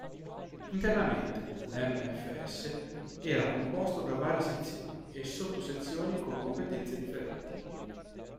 Internamente l'MfS era composto da varie sezioni e sottosezioni con competenze differenti.